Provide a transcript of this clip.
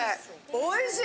おいしい！